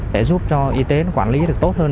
để giúp cho y tế quản lý được tốt hơn